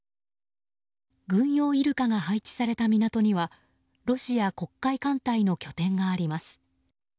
軍用イルカが配置された港にはロシア黒海艦隊の拠点があります。